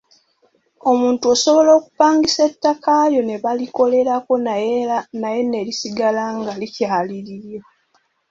Omuntu osobola okupangisa ettaka lyo ne balikolerako naye ne lisigala nga likyali liryo.